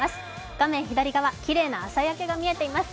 画面左側、きれいな朝焼けが見えています。